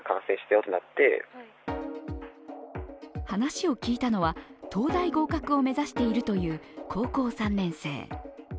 話を聞いたのは東大合格を目指しているという高校３年生。